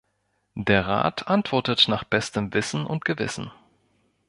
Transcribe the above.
Der Rat antwortet nach bestem Wissen und Gewissen.